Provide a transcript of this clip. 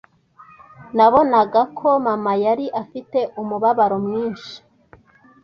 Nabonaga ko mama yari afite umubabaro mwinshi.